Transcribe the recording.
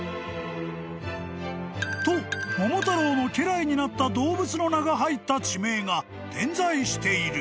［と桃太郎の家来になった動物の名が入った地名が点在している］